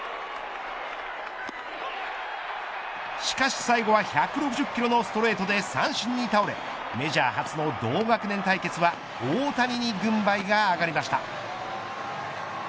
しかし最後は１６０キロのストレートで三振に倒れメジャー初の同学年対決は大谷に軍配が上がりました。